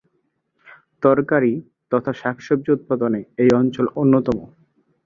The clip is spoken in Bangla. তরকারি তথা শাকসবজি উৎপাদনে এই অঞ্চল অন্যতম।